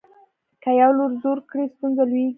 که یو لور زور کړي ستونزه لویېږي.